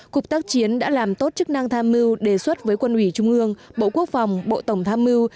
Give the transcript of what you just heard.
cục tác chiến đã làm tốt chức năng tham mưu đề xuất với quân ủy trung ương bộ quốc phòng bộ tổng tham mưu